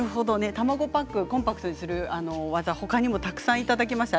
卵パック、コンパクトにする技他にもたくさんいただきました。